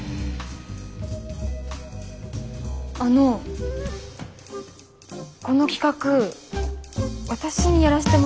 あのこの企画私にやらせてもらえませんか？